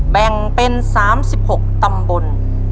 แบ่งเป็น๓๖ตำบล